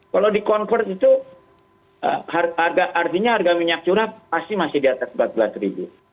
kalau di convert itu harga artinya harga minyak curah pasti masih di atas rp empat belas